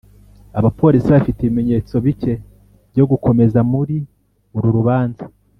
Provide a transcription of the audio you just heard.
[abapolisi bafite ibimenyetso bike byo gukomeza muri uru rubanza.